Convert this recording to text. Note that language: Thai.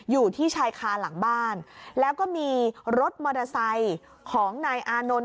อยู่ที่ชายคาหลังบ้านแล้วก็มีรถมอเตอร์ไซค์ของนายอานนท์